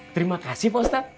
terima kasih pak ustadz